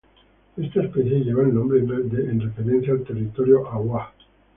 Esta especie lleva el nombre en referencia al territorio Awá.